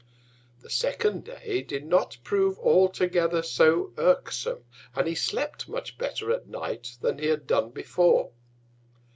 The second Day did not prove altogether so irksome, and he slept much better at Night than he had done before.